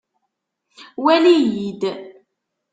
Wali-yi-d.